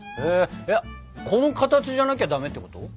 この形じゃなきゃダメってこと？